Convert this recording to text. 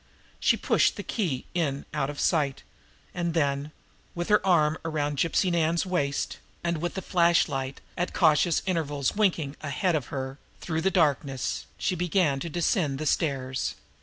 She pushed the key in out of sight; and then, with her arm around Gypsy Nan's waist, and with the flashlight at cautious intervals winking ahead of her through the darkness, she began to descend the stairs.